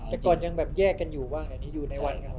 และก่อนยังแยกกันอยู่บ้างที่อยู่ในวัน